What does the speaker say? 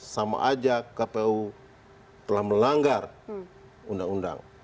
sama aja kpu telah melanggar undang undang